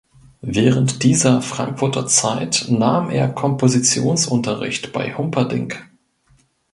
Während dieser Frankfurter Zeit nahm er Kompositionsunterricht bei Humperdinck.